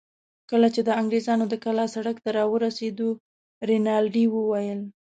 کله چې د انګرېزانو د کلا سړک ته راورسېدو، رینالډي وویل.